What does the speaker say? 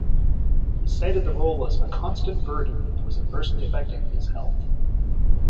He cited the role was "a constant burden" and was adversely affecting his health.